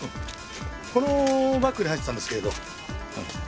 このバッグに入ってたんですけれど。